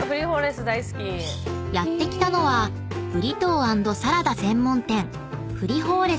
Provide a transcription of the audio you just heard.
［やって来たのはブリトー＆サラダ専門店］